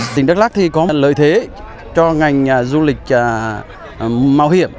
tỉnh đắk lắc có lợi thế cho ngành du lịch mạo hiểm